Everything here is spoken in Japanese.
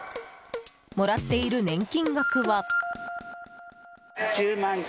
もらっている年金額は。